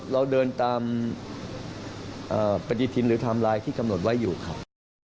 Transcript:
เราเดินตามปฏิทินหรือไทม์ไลน์ที่กำหนดไว้อยู่ครับ